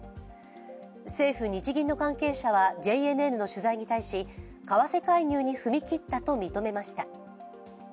政府・日銀の関係者はＪＮＮの取材に対し、為替介入に踏み切ったと認めました。